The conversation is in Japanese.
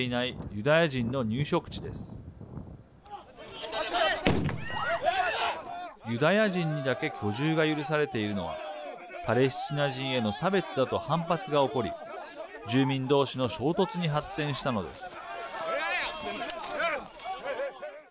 ユダヤ人にだけ居住が許されているのはパレスチナ人への差別だと反発が起こり住民どうしの衝突に発展したのです。